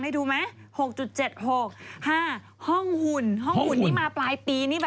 ได้ดูไหมหกจุดเจ็ดหกห้าห้องหุ่นห้องหุ่นนี่มาปลายปีนี่แบบ